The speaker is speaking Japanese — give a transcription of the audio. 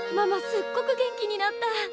すっごく元気になった！